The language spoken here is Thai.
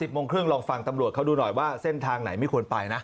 โมงครึ่งลองฟังตำรวจเขาดูหน่อยว่าเส้นทางไหนไม่ควรไปนะ